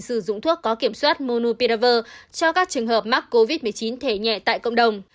sử dụng thuốc có kiểm soát monu piraver cho các trường hợp mắc covid một mươi chín thể nhẹ tại cộng đồng